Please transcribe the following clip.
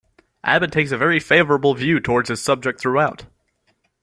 Abbott takes a very favourable view towards his subject throughout.